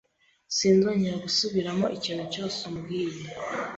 Sinzongera gusubiramo ikintu cyose umbwiye.